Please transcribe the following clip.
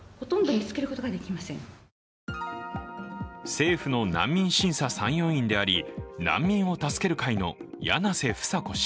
政府の難民審査参与員であり難民を助ける会の柳瀬房子氏。